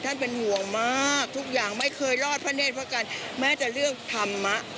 เป็นห่วงมากทุกอย่างไม่เคยรอดพระเนธพระกันแม้จะเลือกธรรมะ